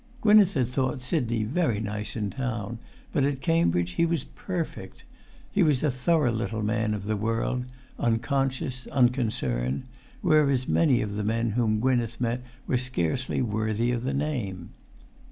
Gwynneth had thought Sidney very nice in town, but at Cambridge he was perfect. He was a thorough little man of the world, unconscious, unconcerned, whereas many of the men whom Gwynneth met were scarcely worthy of the name.